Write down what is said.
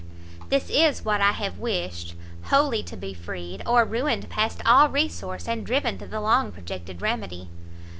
This is what I have wished; wholly to be freed, or ruined past all resource, and driven to the long projected remedy.